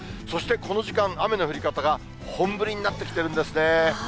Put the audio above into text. そしてこの時間、雨の降り方が本降りになってきてるんですね。